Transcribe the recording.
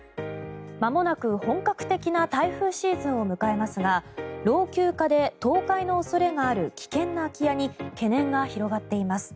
まもなく本格的な台風シーズンを迎えますが老朽化で倒壊の恐れがある危険な空き家に懸念が広がっています。